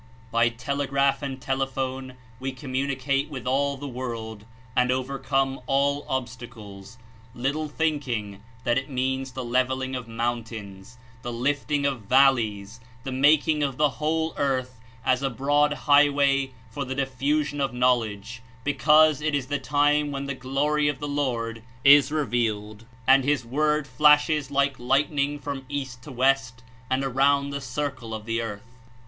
By telegraph and telephone we communicate with all the world and overcome all obstacles, little think mg that it means the leveling of mountains, the lifting of valleys, the making of the whole Preparing ^^^^^^ ^^^^^j highway for the diffusion of knowledge, because it is the time when the "Glory of the Lord" is revealed and his Word flashes like the lightning from East to West and around the circle of the earth.